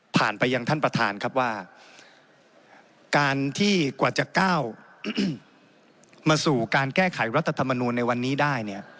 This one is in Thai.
ไปยังท่านประธานครับว่าการที่กว่าจะก้าวมาสู่การแก้ไขรัฐธรรมนูลในวันนี้ได้เนี่ย